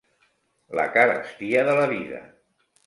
La carestia de la vida.